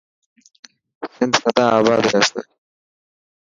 سنڌ سدا آبا رهسي.